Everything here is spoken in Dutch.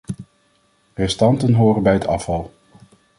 Restanten horen bij het afval.